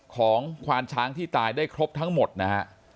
ควานช้างที่ตายได้ครบทั้งหมดนะฮะ